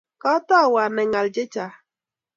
Katau anai ng'al chechang'